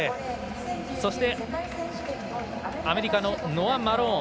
そして、アメリカのノア・マローン。